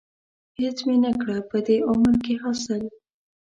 هېڅ مې نه کړه په دې عمر کې حاصل.